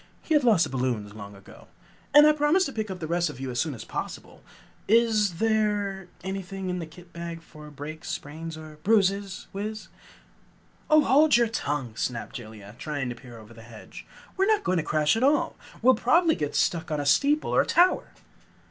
He had lost the balloons long ago. "And I promise to pick up the rest of you as soon as possible. Is there anything in that kit bag for breaks, sprains and bruises, Wiz?" "Oh, hold your tongue!" snapped Jellia, trying to peer over the hedge. "We're not going to crash at all! We'll probably get stuck on a steeple or tower!"